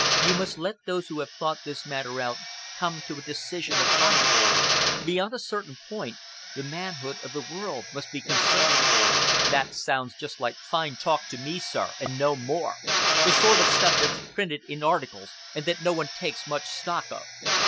"You must let those who have thought this matter out come to a decision upon it. Beyond a certain point, the manhood of the world must be conserved." "That sounds just like fine talk to me, sir, and no more; the sort of stuff that's printed in articles and that no one takes much stock of.